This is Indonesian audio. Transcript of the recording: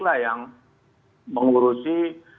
lah yang mengurusi